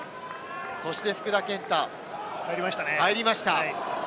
そして福田健太、入りました。